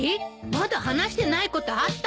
まだ話してないことあったの？